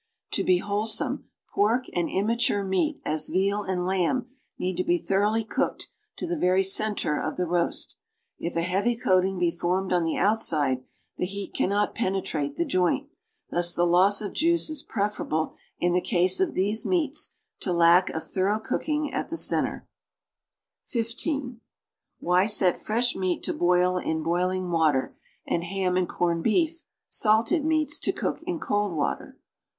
To be wholesome, pork and immature meat, as veal and lamb, need to be thoroughly cooked to the very center of the roast. If a heavy coating be formed on the outside, the heat cannot penetrate the joint; thus the loss of juice is preferal)le in the case of these meats to lack of thorounh cooking at the center. (15) Why set frosh meat to boil in hoilins water, ami ham and corneil beef (salted meats) to cook in cold water?